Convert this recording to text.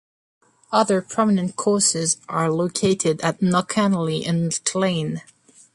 Other prominent courses are located at Knockanally and Clane.